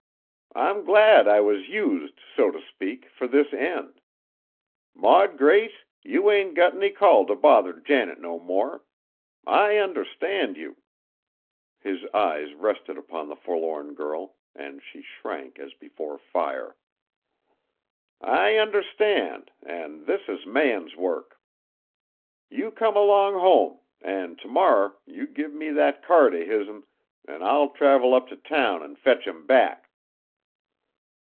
"I'm glad I was used, so t' speak, fur this end. Maud Grace, you ain't got any call t' bother Janet no more. I understand you!" His eyes rested upon the forlorn girl and she shrank as before fire. "I understand, an' this is man's work. You come along home, an' t' morrer you give me that card of his'n, an' I'll travel up t' town, an' fetch him back!"